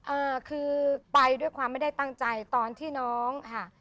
อ่าคือไปด้วยความไม่ได้ตั้งใจตอนที่น้องค่ะ